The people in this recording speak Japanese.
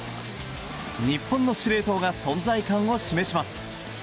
日本の司令塔が存在感を示します。